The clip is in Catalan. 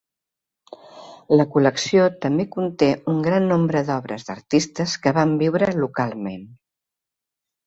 La col·lecció també conté un gran nombre d'obres d'artistes que van viure localment.